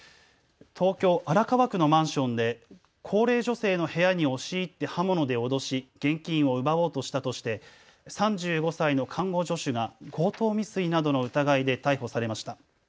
東京荒川区のマンションで高齢女性の部屋に押し入って刃物で脅し現金を奪おうとしたとして３５歳の看護助手が強盗未遂などの疑いで逮捕されました。